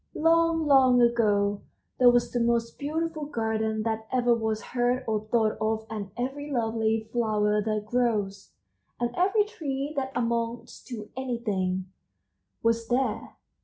"Long, long ago there was the most beautiful garden that ever was heard or thought of and every lovely flower that grows, and every tree that amounts to anything, was there.